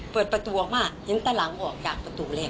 เปิดประตูออกมาเห็นแต่หลังออกจากประตูแรก